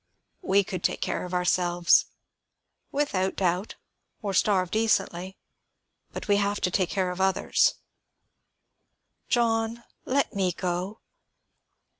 "We could take care of ourselves." "Without doubt, or starve decently. But we have to take care of others." "John, let me go."